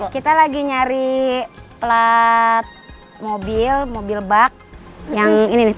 kita lagi nyari plat mobil mobil bak yang ini nih